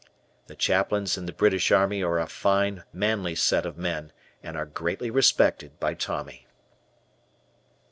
The chaplains in the British Army are a fine, manly set of men, and are greatly respected by Tommy.